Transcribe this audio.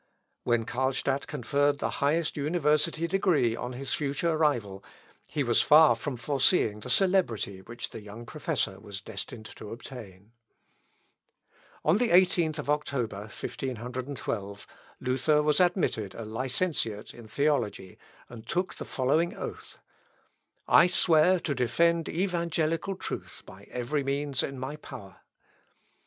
" When Carlstadt conferred the highest university degree on his future rival, he was far from foreseeing the celebrity which the young professor was destined to obtain. Weismanni Hist. Eccl., p. 1416. Ibid. On the 18th of October, 1512, Luther was admitted a licentiate in theology, and took the following oath: "I swear to defend evangelical truth by every means in my power."